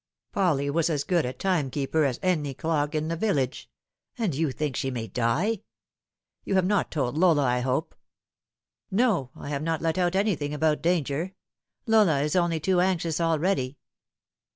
Polly was as good a timekeeper as any clock in the village. And you think she may die ? You have not told Lola, I hope ?"" No, I have not let out anything about danger. Lola is only too anxious already."